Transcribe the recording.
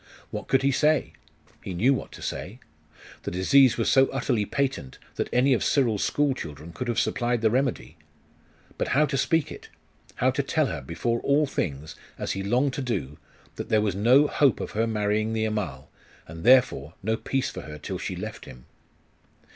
What could he say?.... he knew what to say. The disease was so utterly patent, that any of Cyril's school children could have supplied the remedy. But how to speak it? how to tell her, before all things, as he longed to do, that there was no hope of her marrying the Amal, and, therefore, no peace for her till she left him.